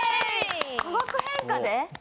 化学変化で？